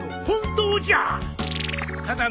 本当じゃあ